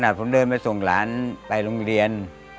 ผมเดินไปส่งหลานไปโรงเรียน